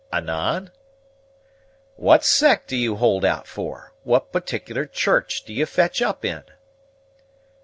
"Anan?" "What sect do you hold out for? What particular church do you fetch up in?"